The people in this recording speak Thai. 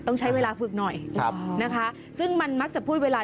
ต้องใช้เวลาฝึกหน่อยนะคะซึ่งมันมักจะพูดเวลา